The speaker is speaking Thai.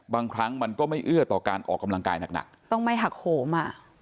บางครั้งมันก็ไม่เอื้อต่อการออกกำลังกายหนักต้องไม่หักโหมอ่ะ